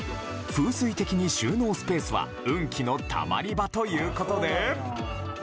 風水的に収納スペースは運気のたまり場ということで。